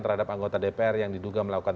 terhadap anggota dpr yang diduga melakukan